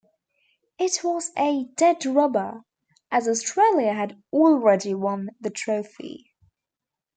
It was a dead rubber as Australia had already won the Trophy.